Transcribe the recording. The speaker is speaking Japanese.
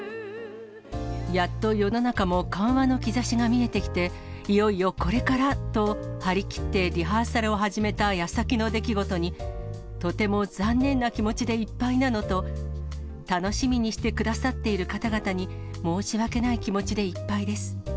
やっと世の中も緩和の兆しが見えてきて、いよいよこれからと、張り切ってリハーサルを始めたやさきの出来事に、とても残念な気持ちでいっぱいなのと、楽しみにしてくださっている方々に申し訳ない気持ちでいっぱいです。